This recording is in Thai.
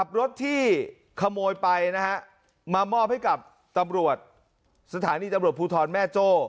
รถที่ขโมยไปนะฮะมามอบให้กับตำรวจสถานีตำรวจภูทรแม่โจ้